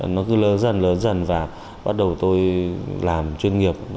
nó cứ lớn dần lớn dần và bắt đầu tôi làm chuyên nghiệp